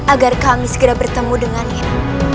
agar kami segera bertemu dengannya